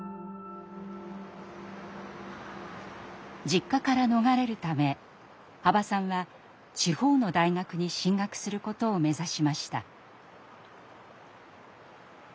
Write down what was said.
実家から逃れるため羽馬さんは地方の大学に進学することを目指しました。